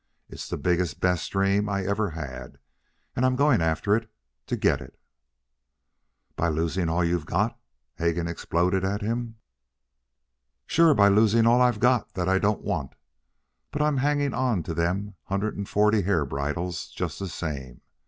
It's the biggest, best dream I ever had, and I'm going after it to get it " "By losing all you've got," Hegan exploded at him. "Sure by losing all I've got that I don't want. But I'm hanging on to them hundred and forty hair bridles just the same.